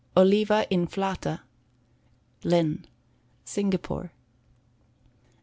Oliva Inflata. Linn. Singapore. No.